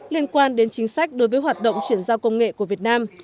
liên quan đến chính sách đối với hoạt động chuyển giao công nghệ của việt nam